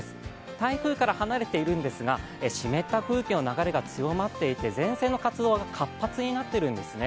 台風から離れているんですが、湿った空気の流れが強まっていて、前線の活動が活発になっているんですね。